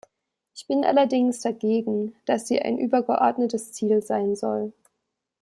Ich bin allerdings dagegen, dass sie ein übergeordnetes Ziel sein soll.